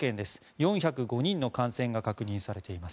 ４０５人の感染が確認されています。